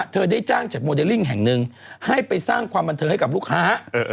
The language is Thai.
ได้จ้างจากโมเดลลิ่งแห่งหนึ่งให้ไปสร้างความบันเทิงให้กับลูกค้า